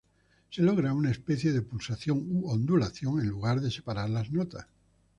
Se logra una especie de pulsación u ondulación, en lugar de separar las notas.